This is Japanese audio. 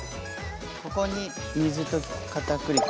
ここに水溶きかたくり粉。